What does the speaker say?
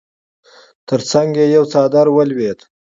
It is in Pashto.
تر څنګ يې يو څادر ولوېد.